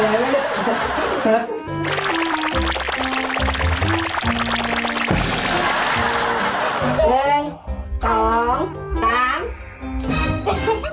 เหนื่อยไหมเนี่ย